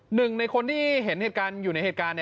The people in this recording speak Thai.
หนึ่งในคนที่เห็นเหตุการณ์อยู่ในเหตุการณ์